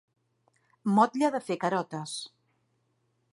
Motlle de fer carotes.